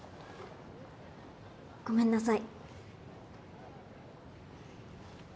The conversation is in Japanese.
ごめんなさい。